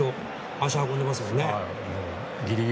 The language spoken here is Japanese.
足を運んでますものね。